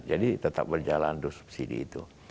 jadi tetap berjalan dua subsidi itu